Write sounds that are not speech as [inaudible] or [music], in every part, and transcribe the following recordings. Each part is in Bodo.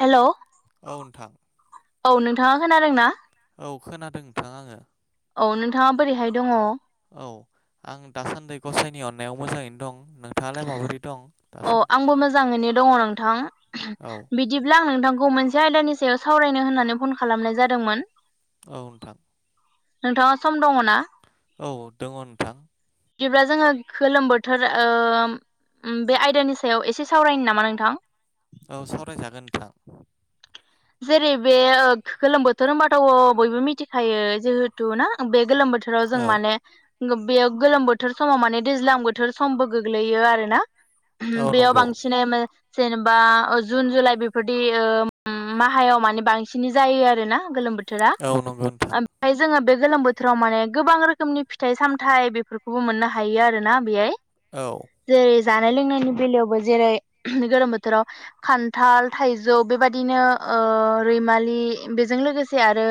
हेलौ औ नोंथां औ नोंथांङा खोनादों ना औ खोनादों नोंथां आंङो औ औ नोंथांङा बोरैहाय दंङ औ आं दासान्दि गसाइनि अननायाव मोजांङैनो दं नोंथांङालाय माबोरै दं अ दासान्दि आंबो मोजांङैनो दंङ नोंथां औ बिदिब्ला आं नोंथांखौ खौ मोनसे आयदानि सायाव सावरायनो होननानै फन खालामनाय जादोंमोन औ नोंथां नोंथांङा सम दंङ ना औ दंङ नोंथां बिदिब्ला जोंङो गोलोम बोथोर ओम ओ बे आयदानि सायाव एसे सावरायनो नामा नोंथां औ सावरायजागोन नोंथां जेरै बे ओ गोलोम बोथोर होनबाथ' बयबो मिथिखायो जिहेथु ना बे गोलोम बोथोर बोथोराव जों औ माने बेयो गोलोम बोथोर समाव माने दैज्लां बोथोर समबो गोग्लैयो आरोना, औ बेयाव नंगौ बांसिनै जेनबा जुन जुलाइ बेफोरदि ओ ओम माहायाव माने बांसिन जायो आरोना गोलोम बोथोरा औ नंगौ नोंथां ओमफ्राय जोङो बे गोलोम बोथोराव माने गोबां रोखोमनि फिथाइ सामथायाइ बेफोरखौबो मोननो हायो आरोना बेहाय औ जेरै जानाय लोंनायनि बेलायावबो जेरै गोलोम बोथोराव खान्थाल थाइजौ बेबाय दिनो ओ रैमालि बेजों लोगोसे आरो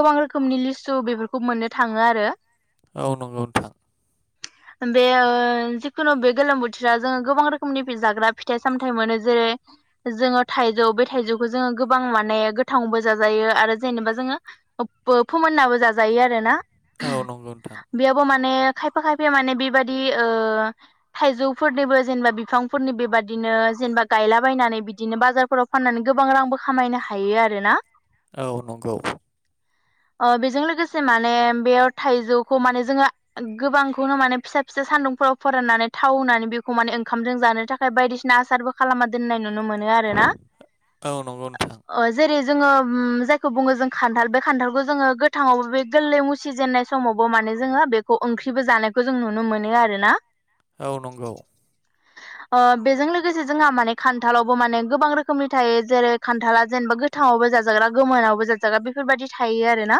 गोबां रोखोमनि लिसु बेफोरखौ मोननो थाङो आरो ओ नोंगौ नोंथां [inaudible] बे ओ जिखुनु बे गोलोम बोथोराव जोङो गोबां रोखोमनि जाग्रा फिथाइ सामथाइ मोनो जेरै जोङो थाइजौ बे थाइजौखौ जोङो गोबां माने गोथाङावबो जाजायो आरो जेनेबा जोङो फोमोननाबो जाजायो आरोना औ नोंगौ नोंथां बेयावबो माने खायफा खायफा माने बेबादि ओ थाइजौफोरनिबो जेनेबा बिफांफोरनि बेबादि नो जेनेबा गायलाबायनानै बिदिनो बाजारफोराव फाननानै गोबां रांबो खामायनो हायो आरोना औ नंगौ [inaudible] अ बेजों लोगोसे माने बेयाव थाइजौखौ माने जोङो गोबांखौनो माने फिसा फिसा सानदुं फोराव फोराननानै थाव होननानै बेखौ माने ओंखामजों जानो थाखाय बायदिसिना आसारबो खालामा दोननाय नुनो मोनो आरोना। ओ नोंगौ नोंथां ओ जेरै जोङो ओम जायखौ बुङो जों खान्थाल बे खान्थालखौ जोङो गोथाङावबो बे गोरलै मुसि जेननाय समावबो माने जोङो बेखौ ओंख्रिबो जानायखौ जों नुनो मोनो आरोना औ नंगौ ओ बेजों लोगोसे जोंहा माने खान्थालावबो माने गोबां रो खोमनि थायो जेरै खान्थाला जेनेबा गोथाङावबो जाजाग्रा गोमोनावबो जाजाग्रा बेफोरबायाददि थायो आरोना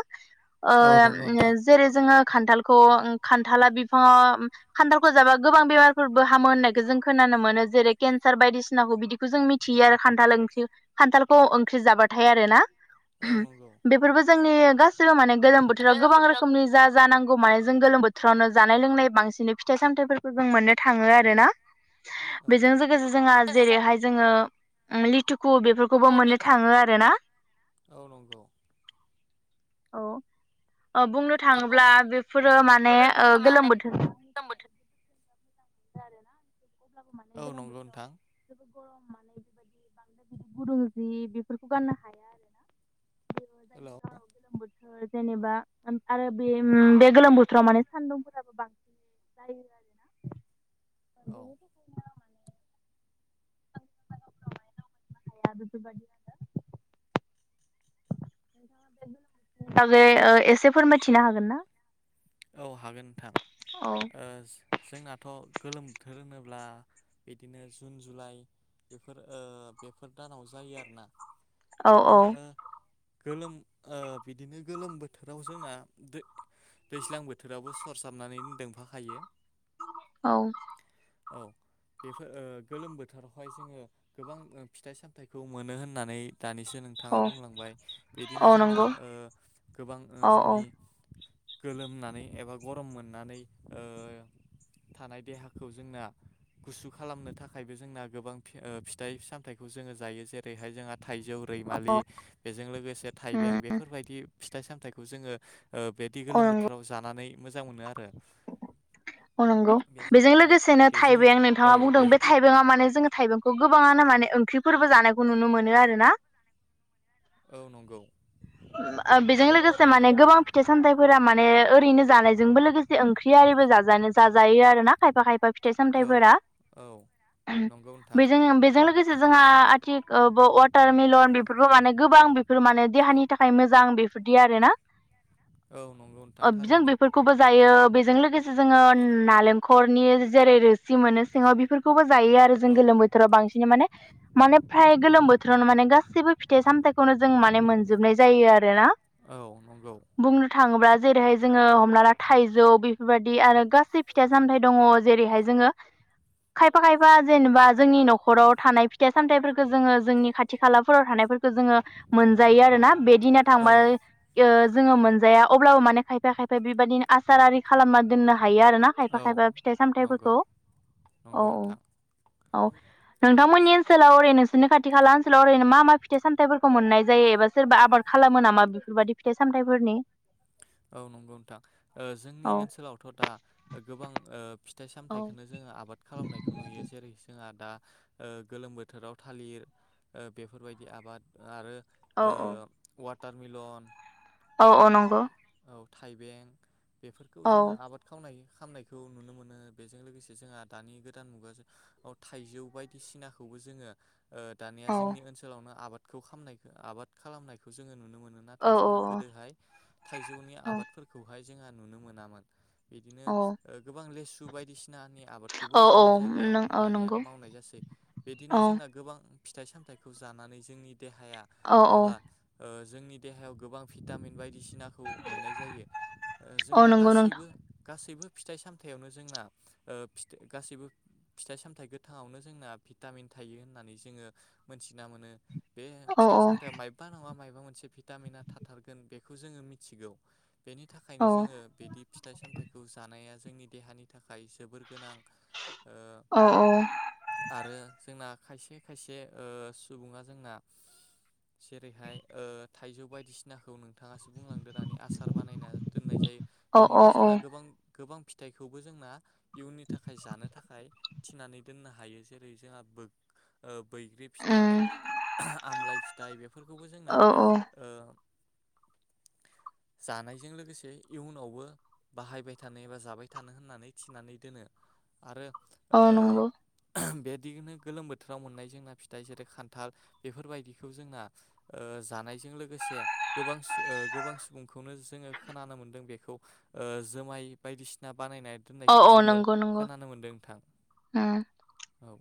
औ नंगौ ओ नोंथां जेरै जोङो खान्थालखौ ओं खान्थाला बिफाङाव खान्थालखौ जाबा गोबां बेमारफोरबो हामो होननायखौ जों खोना नो मोनो जेरै केन्सार बायदिसिनाखौ बिदिखौ जों मिथियो आरो खान्थाल ओंख्रि खान्थालखौ ओंख्रि जाबाथाय आरोना। औ नंगौ बेफोरबो जोंनि गासिबो माने गोलोम बोथोराव गोबां रोखोमनि जा जानां गौ माने जों गोलोम बोथोरावनो जानाय लोंनाय बांसिनै फिथाइ सामथायाइफोरखौ जों मोननो थाङो आरो ना। औ बेजों लोगोसे जोंहा जेरैहाय जोङो ओम लिथु कु बेफोरखौबो मोननो थाङो आरोना। औ नंगौ औ ओ बुंनो थाङोब्ला बेफोरो माने ओ गोलोम बोथोर अब्लाबो माने औ गोलोम नंगौ बोथोराव नोंथां जेबोर गरम माने बेबायदि गुदुं जि बेफोरखौ गाननो हाया आरो ना जोङो हेलौ जायनि जाहाव गोलोम बो थोर जेनेबा ओम आरो बे ओम बे गोलोम बोथोराव माने सान्दुंफोराबो बांसिन जायो आरोना। ओ औ बेनि थाखायनो माने [inaudible] नोंथाङा बे गोलोम बोथोरनि बागै ओ एसे फोरमायथिनो हागोन ना? औ हागोन नोंथां औ ओ जोंहाथ' गोलोम बोथोर होनोब्ला बिदिनो जुन जुलाइ बेफोर ओ बेफोर दानाव जायो आरोना। औ बिदिनो गोलोम ओ बिदिनो गोलोम बोथोराव जोंना दैज्लां बोथोरावो सरसाबनानैनो दोंफाखायो औ औ बेफोर ओ गोलोम बोथोरावहाय जोङो गोबां ओ फिथाइ-सामथाइखौ मोनो होननानै दानिसो औ नोंथाङा बुंलांबाय बिदिनो औ जोंना नंगौ ओ गोबां औ औ जोंनि गोलोमनानै एबा गरम मोननानै ओ थानाय देहाखौ जोंना गुसु खालामनो थाखायबो जोंना गोबां ओ फिथाइ सामथाइखौ जोङो जायो जेरैहाय जोंहा थाइजौ रैमालि बेजों लोगोसे थाइबें बेफोरबायदि फिथाइ सामथायाइखौ जोङो ओक्षबेदि अ गोलोम नंगौ बोथोराव जानानै मोजां मोनो आरो औ नंगौ बेजों औ लोगोसेनो बेजों थाइबें नोंथाङा बुंदों बे थाइबेंआ माने जोङो थाइबेंखौ गोब गोबांङानो माने ओंख्रिफोरबो जानायखौ नुनो मोनो आरो ना औ नंगौ ओ बेजों लोगोसे माने गोबां फिथाइ सामथाइफोरा माने ओरैनो जानायजोंबो लोगोसे ओंख्रि आरो जाजायो आरोना खायफा खायफा फिथाइ औ सामथाइफोरा औ नंगौ नोंथां बेजों बेजों लोगोसे जोंहा आथिख वाटार मिलन बेफोरखौ माने गोबां बेफोर माने देहानि नि थाखाय मोजां बेफोरदि आरोना औ नंगौ नोंथां ओब जों थारैनो बेफोरखौबो जायो बेजों लोगोसे जोङो होम नालेंखरनि जेरै रोसि मोनो सिङाव बेफोरखौबो जायो आरो। जों औ गोलोम बोथोराव बांसिन माने माने फ्राय गोलोम बोथोरावनो माने गाससिबो फिथाइ सामथाइखौनो जों माने मोन जोबनाय जायो आरोना। औ नंगौ बुंनो थाङोब्ला जेरैहाय जोङो हमना थाइजौ बेफोरबाददि आरो गासै फिथाइ सामथायाइ दङ जेरैहाय जोङो खायफा खायफा जेनेबा जोंनि न'खराव थानाय फिथाइ सामथाइफोरखौ जोङो जोंनि खाथि खालाफोराव थानाय फोरखौ जोङो मोनजायो आरोना बे दिनो औ थांबाय ओ जोङो मोनजाया अब्लाबो माने खायफा खायफा बेबायदिनो आसार आरि खालामना दोननो हा यो आरोना खायफा औ खायफा फिथाइ नंगौ सामथफोरखौ। औ नंगौ नोंथां औ नोंथांमोननि ओनसोलाव ओरैनो नोंसोरनि खाथि खाला ओनसोलाव ओरैनो मा मा फिथाइ सामथाइफोरखौ मोननाय जायो एबा सोरबा आबाद खालामो नामा बेफोरबादि फिथाइ सामथाइफोरनि? औ नंगौ नोंथां जोंनि औ ओनसोलावथ' दा गोबां ओ फिथाइ औ सामथायाइखौनो जोङो आबाद खालामनायखौ नुयो जेरै जोंहा दा ओ गोलोम बोथोराव थालिर ओ बेफोरबायदि आबाद आरो औ ओ वाटार मिलन औ औ नंगौ थाइबें बेफोरखौ औ जोङो आबाद खावनाय खामनायखौ नुनो मोनो बेजों लोगोसे जोंहा दानि गोदान मुगायाव औ थाइजौ बायदिसिनाखौ जोंङो ओ दानिया औ जोंनि ओनसोलावनो आबाद खौ खामनाय आबाद खालामनायखौ जोङो नुनो मोनो औ नाथाय औ जोंहा गोदोहाय थाइजौनि आबादफोरखौहाय जोंहा नुनो मोनामोन बिदिनो गोबां लेसु बायदिसिनानि आबादखौबो औ औ जोंनि जायगायाव नों औ दानिया नंगौ मावनाय जासै बिदिनो औ जोंना गोबां फिथाइ सामथाइखौ जानानै जोंनि देहाया औ औ एबा ओ जोंनि देहायाव गोबां भिटामिन बायदिसिनाखौ मोननाय जायो ओ औ जोंना नंगौ नोंथां गासैबो गासैबो फिथाइ सामथायाइयावनो जोंना ओ फिथाइ गासैबो फिथाइ सामथाइ गोथांङावनो जोंना भिटामिन थायो होननानै जोङो मोनथिना मोनो बे औ फिथाइ औ सामथायाव मायबा नङा मायबा मोनसे भिटामिना थाथारगोन बेखौ जोङो मिथिगौ। बेनि थाखायनो औ जोङो बिदि फिथाइ सामथाइखौ जानाया जोंनि देहानि थाखाय जोबोर गोनां। ओ औ आरो जोंना खायसे खायसे ओ सुबुंङा जोंना जेरैहाय ओ थाइजौ बायदिसिनाखौ नोंथांङासो बुंलांदो दानि आसार बानायना दोननाय जायो औ औ बिदिनो औ जोंना गोबां गोबां फिथाइखौबो जोंना इयुननि थाखाय जानो थाखाय थिनानै दोननो हायो जेरै जोंहा ओ बैग्रि फिथाइ उम आमलाइ फिथाइ बेफोरखौबो जोंना औ औ ओ जानायजों लोगोसे इयुनावबो बाहायबाय थानो एबा जाबाय थानो होननानै थिनानै दोनो आरो अ नंगौ बिदिनो गोलोम बोथोराव मोननाय जोंना फिथाइ जेरै खान्थाल बेफोरबायदिखौ जोंना ओ जानाय जों लोगोसे गोबां ओ गोबां सुबुं खौनो जोङो खोनानो मोन्दों बेखौ ओ जुमाय बायदिसिना बानायना औ दोननायखौ औ जोङो नंगौ नंगौ खोनानो मोनदों नोंथां। उम औ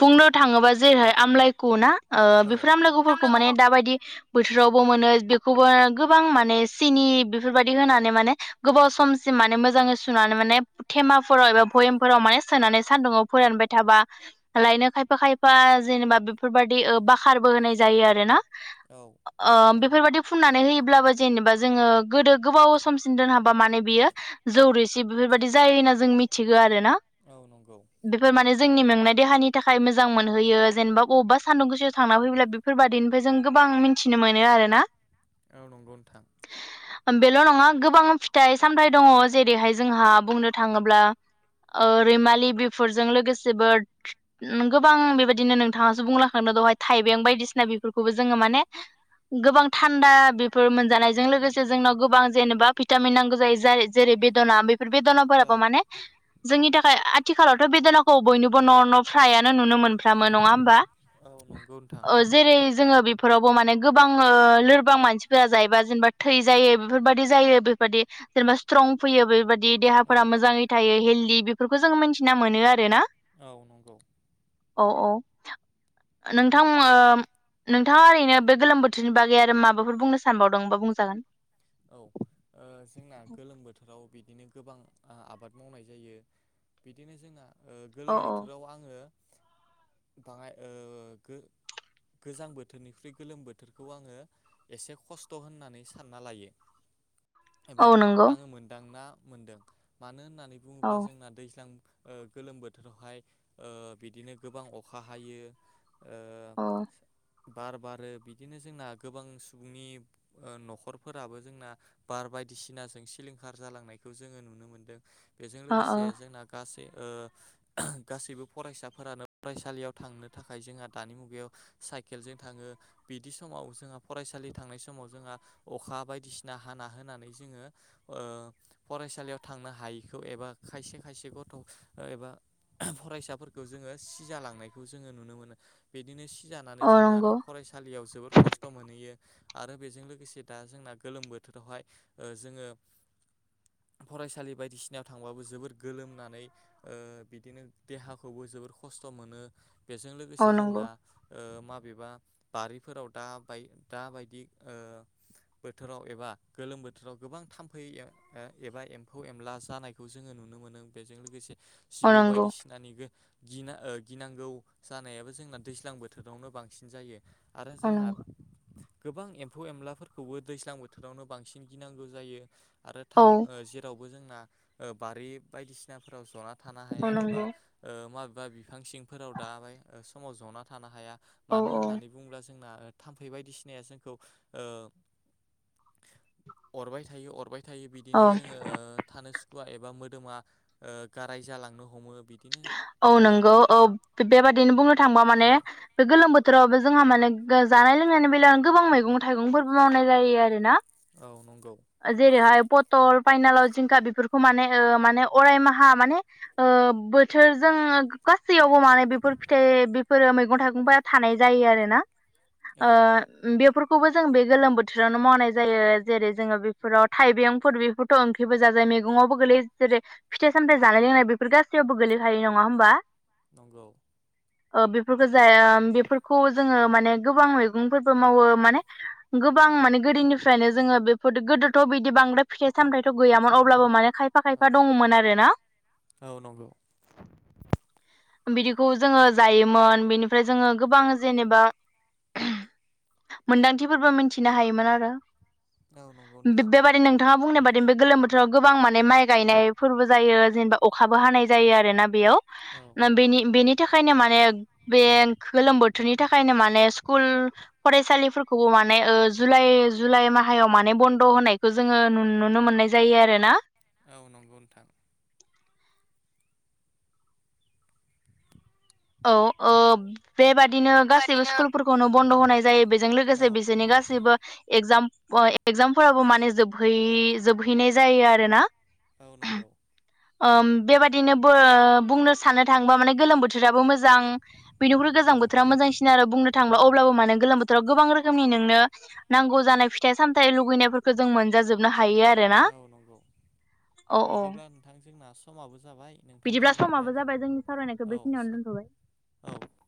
बुंनो थाङोब्ला जेरै आमलायखौ ना औ बेफोर आमलायगुफोरखौ माने दाबादि बोथोराव मोनो बेखौबो गोबां माने सिनि बेफोरबायदि होनानै माने गोबाव समसिम माने मोजाङै सुनानै माने धेमाफोराव एबा भयेमफोराव माने सोनानै सान्दुुंआव फोरानबाय थाबा लायनो खायफा खायफा जेनेबा बेफोरबायाददि ओ बाखारबो होनाय जायो आरो ना। ओ नंगौ बेफोरबायदि फुननानै होयोब्लाबो जेनेबा जोङो गोदो गोबाव समसिम दोनहाब बा माने बियो जौ‌ रोसि बेफोरबायदि जायो होनना जों मिथिगो आरो ना। औ नंगौ बेफोर माने जोंनि मेंनाय। देहानि थाखाय मोजां मोनहोयो जेनेबा अबेबा सान्दुं गोसोआव थांना फैब्ला बेफोरबायादिनिफ्राय जों गोबां मिन्थिनो। मोनो आरो ना। औ नंगौ नोंथां। बेल' नङा गोबां फिथाइ सामथाय दङ जेरैहाय जोंहा बुंनो थाङोब्ला। रैमालि बेफोरजों लोगोसेबो। गोबां बेबायदिनो नोंथाङासो बुंलांखादों दहाय थाइबें बायदिसिना बेफोरखौबो जोङो माने। गोबां थान्दा बेफोर मोनजानायजों लोगोसे जोंनाव गोबां जेनेबा भिटामिन नांगौ जायो जेरै बे बेफोर बेदनाफोराबो माने जोंनि थाखाय आथिखालावथ' बेदनाखौ। बयनिबो न' न' फ्रायानो नुनो मोनफ्रामो नङा होमबा? औ नंगौ नोंथां ओ जेरै जोङो बेफोरावबो माने गोबां लोरबां मानसिफोरा जायोबा जेनेबा थै जायो बेफोरबायदि जायो बेफोरबायदि जेनेबा स्ट्रं। अं फैयो बेबायदि औ देहाफोरा मोजाङै थायो हेल्डि बेफोरखौ जोङो मिन्थिना मोनो आरोना। औ नंगौ। औ औ नोंथां। नोंथाङा ओरैनो बे गोलोम बोथोरनि बागै आरो माबाफोर बुंनो सानबावदोंबा बुंजागोन औ जोंना गोलोम बोथोराव बि बिदिनो गोबां आबाद मावनाय जायो बिदिनो जोंहा औ गोलोम औ बोथोराव आङो बाहाय‌ ओ गो गोजां बोथोरनिख्रुइ गोलोम बोथोरखौ आङो एसे खस्थ' होननानै सानना लायो एबा औ नंगौ आङो मोनदांना मोनदों मानो होननानै औ बुङोब्ला जोंना दैज्लां गोलोम बोथोरावहाय बिदिनो गोबां अखा हायो ओ औ बार बारो बिदिनो जोंना गोबां सुबुंनि ओ न'खरफोर फोराबो जोंना बार बायदिसिनाजों सिलिंखार जालांनायखौ जोङो नुनो मोनदों बेजों अ अ लोगोसे जोंना गासै ओ गासैबो फरायसाफोरानो फरायसालियाव थांनो थाखाय जोंहा दानि मुगायाव साइकेलजों थाङो बिदि समाव जोंहा फरायसालि थांनाय समाव जोंहा अखा बायदिसिना हाना होनानै जोङो ओ फरायसालियाव थांनो हायैखौ एबा खायसे खायसे गथ' एबा फरायसाफोरखौ जोङो सिजालांनायखौ जोङो नुनो मोनो बिदिनो सिजानानै औ जोंना नंगौ फरायसालियाव जोबोर खस्थ' मोनहैयो आरो बेजों लोगोसे दा जोंना गोलोम बोथोरावहाय जोङो फरायसालि बायदिसिनायाव थांबाबो जोबोर गोलोमनानै ओ बिदिनो देहाखौबो जोबोर खस्थ' मोनो बेजों औ लोगोसे नंगौ जोंना माबेबा बारिफोराव दा बाय दाबायदि बोथोराव एबा गोलोम बोथोराव गोबां थाम्फै एबा एम्फौ एनला जानायखौ जोङो नुनो मोनो मोनो बेजों लोगोसे औ जिबौ नंगौ बायदिसिनानि गिनांगौ जानायाबो जोंना दैज्लां बोथोरावनो बांसिन जायो। आरो औ जोंना नंगौ गोबां एम्फौ एनलाफोरखौबो। दैज्लां बोथोरावनो बांसिन गिनांगौ जायो आरो औ थामफै जेराव। जोंना बारि बायदि सिनाफ्राव जना थानो औ हाया। नंगौ बिफां सिंफोराव दाबायदि समाव जना थानो हाया औ मानो औ होननानै बुङोब्ला जों। जोंना थाम्फै बायदिसिनाया जोंखौ। अरबाय थायो अरबाय थायो औ बिदिनो जोंङो थानो। सुखुआ एबा मोदोमा गाराय जालांनो हमो। बिदिनो औ नंगौ औ बेबादिनो बुंनो थांबा माने ओ बे गोलोम बोथोर। [inaudible] जोंहा माने जानाय लोंनायनि बेलायावनो गोबां मैगं थाइगंफोरबो मावनाय जायो आरो ना। औ नंगौ। पथल फानिलाव जिंखा बेफोरखौ माने माने अराय माहा माने बो। बोथोरजों गासैयावबो माने बेफोर फिथाइ बेफोरो मैगं थाइगंफोरा थानाय जायो आरोना। औ ओ नंगौ बेफोर बेफोरखौबो जों बे गोलोम बोथोरावनो मावनाय जायो जेरै जोंङो बेफोराव थाइबेंफोर बेखौथ' ओंख्रिबो जागोन मैगंआवबो गोग्लैयो जेरै फिथाइ सामथायाइ जानाय लोंनाय बेफोर गासैयावबो गोग्लैखायो नङा होमबा। नंगौ। ओ बेफोरखौ जाया बेफोरखौ जोंङो माने गोबां मैगंफोरबो मावो माने गो गोबां माने गोदोनिफ्रायनो जोंङो बेफोर गोदोथ' बिदि बांद्राय फिथाइ सामथायथ गैयामोन अब्लाबो माने। खायफा औ खायफा दङमोन आरो ना? औ नंगौ बिदिखौ जोंङो जायोमोन बिनिफ्राय जोंङो गोबां जेनेबा। मोन्दांथिफोरबो मिथिनो हायोमोन आरो। औ नंगौ नोंथां बेबायदि नोंथाङा बुंनाय बादि बे गोलोम बोथोर। बोथोराव गोबां माने माइ गायनायफोरबो जायो जेनेबा अखाबो हानाय जायो आरोना बेयाव। औ ना बेनि बेनि थाखाय। बेनिफ्रायनो माने बे गोलोम बोथोरनि थाखायनो माने स्कुल फरायसालिफोरखौबो माने। ए ओ जुलाइ जुलाइ मासाव माने बन्द होनायखौ जोंङो नुनो मोननाय जायो आरोना? औ नंगौ नोंथां। औ ओ बेबादिनो गासैबो स्कुलफोरखौनो बन्द होनाय जायो जों औ लोगोसे बिसोरनि गासिबो। एगजाम एगजामफोराबो माने जोबहै जोबहैनाय जायो आरो ना? औ नंगौ। ओम बेबादिनो बो बुंनो साननो थाङोबा माने गोलोम बोथोराबो मोजां बेनिख्रुइ गोजां गोजां औ बोथोरा मोजांसिन आरो बुंनो थांङोब्ला अब्लाबो गोलोम बोथोराव गोबां रोखोमनि नोंनो नांगौ जानाय फिथाय साम फामथायाइ लुगैनायफोरखौ जों मोनजाजोबनो हायो आरोना औ नंगौ औ औ। बिदिब्ला नोंथां जोंना समाबो जाबाय नोंथांजों बिदिब्ला समाबो राय जाबाय जोंनि सावरायनायखौ बेखिनियावनो दोनथ'बाय। औ औ।